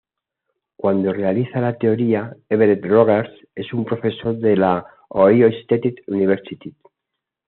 Cuando realiza la teoría Everett Rogers es un profesor de la Ohio State University.